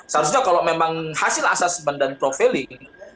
seharusnya kalau memang hasil assessment dan profiling